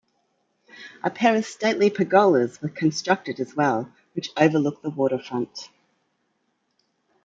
A pair of stately pergolas were constructed as well, which overlook the waterfront.